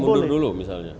harus mundur dulu misalnya